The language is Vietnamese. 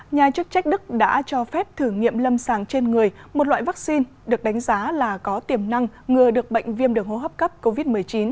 nhà chức trách đức đã cho phép thử nghiệm lâm sàng trên người một loại vaccine được đánh giá là có tiềm năng ngừa được bệnh viêm đường hô hấp cấp covid một mươi chín